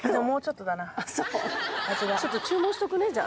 もうちょっとだな味が。